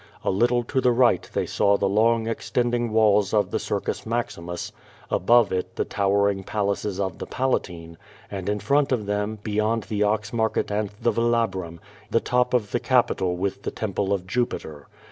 A little to the right they saw the long extending walls of the Circus Maximus, above it the towering palaces of the Palatine, and in front of them, be yond the ox market and the Velabrum, the top of the capi tol with the temple of Jupiter.